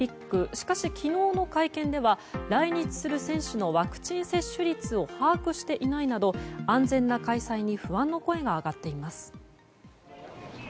しかし、昨日の会見では来日する選手のワクチン接種率を把握していないなど安全な開催に不安の声が上がっています。